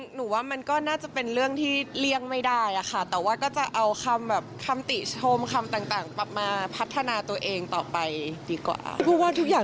หนูว่ามันก็น่าจะเป็นเรื่องที่เลี่ยงไม่ได้ค่ะ